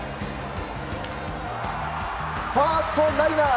ファーストライナー！